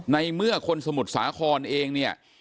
ในเมื่อคนสมุทรสาครเองเนี่ย